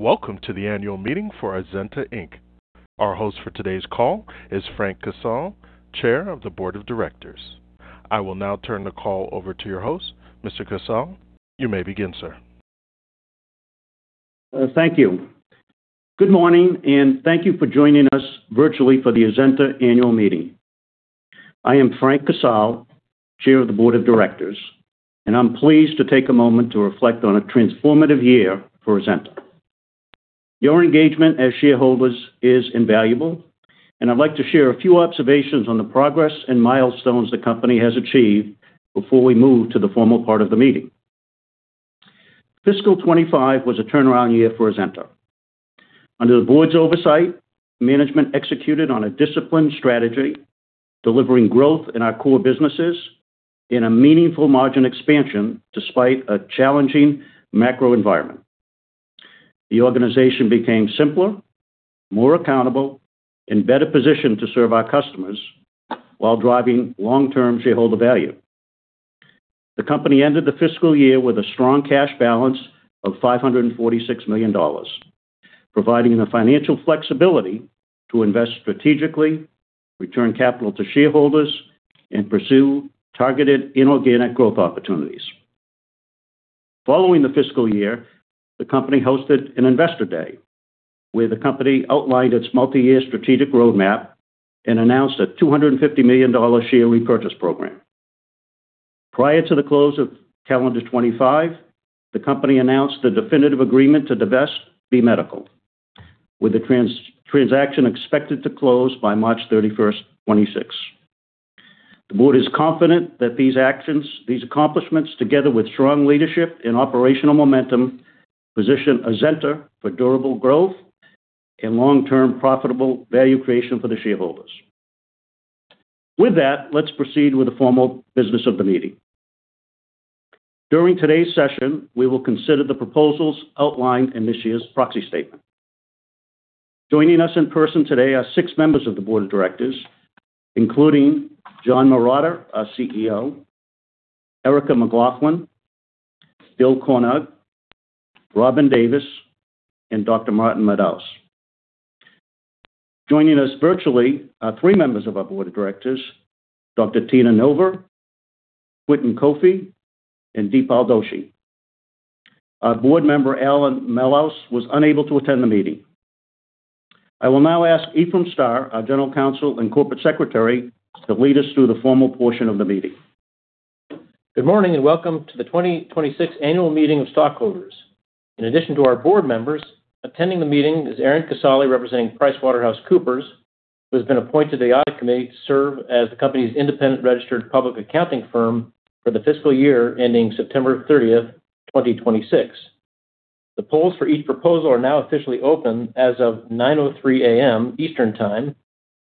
Welcome to the annual meeting for Azenta, Inc. Our host for today's call is Frank Casal, Chair of the Board of Directors. I will now turn the call over to your host. Mr. Casal, you may begin, sir. Thank you. Good morning, and thank you for joining us virtually for the Azenta annual meeting. I am Frank Casal, chair of the board of directors, and I'm pleased to take a moment to reflect on a transformative year for Azenta. Your engagement as shareholders is invaluable, and I'd like to share a few observations on the progress and milestones the company has achieved before we move to the formal part of the meeting. Fiscal 2025 was a turnaround year for Azenta. Under the Board's oversight, Management executed on a disciplined strategy, delivering growth in our core businesses in a meaningful margin expansion despite a challenging macro environment. The organization became simpler, more accountable, and better position to serve our customers while driving long-term shareholder value. The company ended the fiscal year with a strong cash balance of $546 million, providing the financial flexibility to invest strategically, return capital to shareholders, and pursue targeted inorganic growth opportunities. Following the fiscal year, the company hosted an Investor Day, where the company outlined its multi-year strategic roadmap and announced a $250 million share repurchase program. Prior to the close of calendar 2025, the company announced a definitive agreement to divest B Medical, with the transaction expected to close by March 31st, 2026. The Board is confident that these actions, these accomplishments, together with strong leadership and operational momentum, position Azenta for durable growth and long-term profitable value creation for the shareholders. With that, let's proceed with the formal business of the meeting. During today's session, we will consider the proposals outlined in this year's proxy statement. Joining us in person today are six members of the Board of Directors, including John Marotta, our CEO, Erica McLaughlin, Bill Cornog, Robyn Davis, and Dr. Martin Madaus. Joining us virtually are three members of our Board of Directors, Dr. Tina Nova, Quentin Koffey, and Dipal Doshi. Our Board member, Alan Malus, was unable to attend the meeting. I will now ask Ephraim Starr, our General Counsel and Corporate Secretary, to lead us through the formal portion of the meeting. Good morning, and welcome to the 2026 Annual Meeting of Stockholders. In addition to our Board members, attending the meeting is Aaron Casale, representing PricewaterhouseCoopers, who has been appointed to the Audit Committee to serve as the company's independent registered public accounting firm for the fiscal year ending September 30th, 2026. The polls for each proposal are now officially open as of 9:03 A.M. Eastern Time,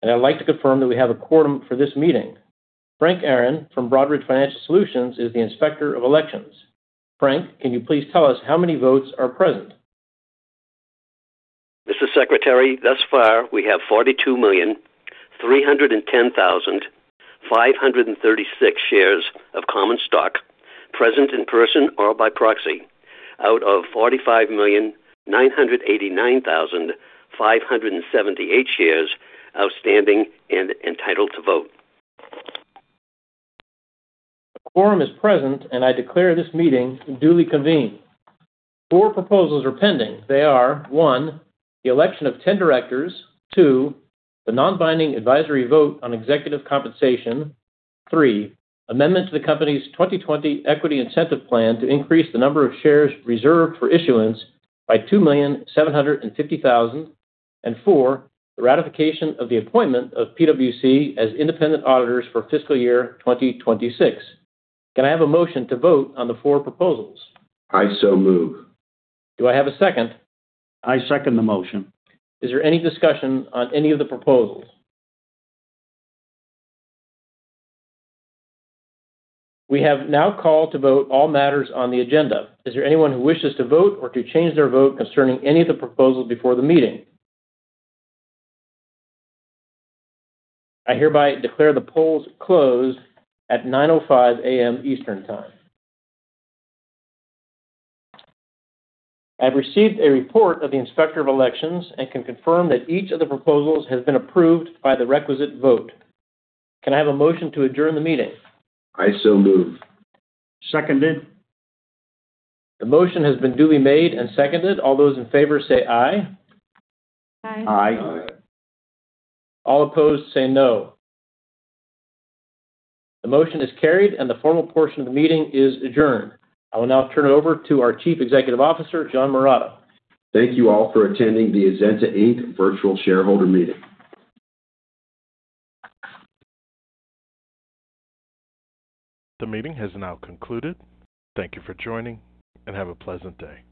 and I'd like to confirm that we have a quorum for this meeting. Frank Arren from Broadridge Financial Solutions is the Inspector of Elections. Frank, can you please tell us how many votes are present? Mr. Secretary, thus far, we have 42,310,536 shares of common stock present in person or by proxy, out of 45,989,578 shares outstanding and entitled to vote. The quorum is present, and I declare this meeting duly convened. Four proposals are pending. They are, one, the election of 10 directors. Two, the non-binding advisory vote on executive compensation. Three, amendment to the company's 2020 Equity Incentive Plan to increase the number of shares reserved for issuance by 2,750,000. And four, the ratification of the appointment of PwC as independent auditors for fiscal year 2026. Can I have a motion to vote on the four proposals? I so move. Do I have a second? I second the motion. Is there any discussion on any of the proposals? We have now called to vote all matters on the agenda. Is there anyone who wishes to vote or to change their vote concerning any of the proposals before the meeting? I hereby declare the polls closed at 9:05 A.M. Eastern Time. I've received a report of the Inspector of Elections and can confirm that each of the proposals has been approved by the requisite vote. Can I have a motion to adjourn the meeting? I so move. Seconded. The motion has been duly made and seconded. All those in favor, say "Aye. All opposed, say "No." The motion is carried, and the formal portion of the meeting is adjourned. I will now turn it over to our CEO, John Marotta. Thank you all for attending the Azenta Inc virtual shareholder meeting. The meeting has now concluded. Thank you for joining, and have a pleasant day.